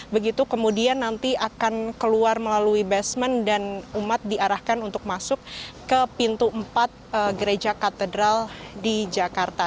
begitu kemudian nanti akan keluar melalui basement dan umat diarahkan untuk masuk ke pintu empat gereja katedral di jakarta